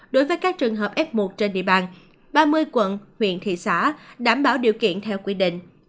đối với các trường hợp f một trên địa bàn ba mươi quận huyện thị xã đảm bảo điều kiện theo quy định